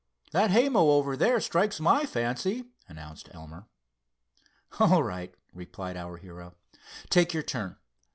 "That haymow over there strikes my fancy," announced Elmer. "All right," replied our hero. "Take your turn.